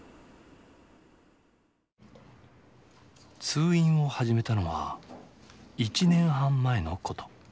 通院を始めたのは１年半前のこと。